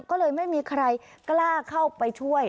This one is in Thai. ก็เลยไม่มีใครกล้าเข้าไปช่วย